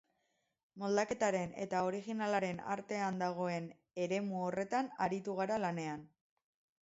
Moldaketaren eta originalaren artean dagoen eremu horretan aritu gara lanean.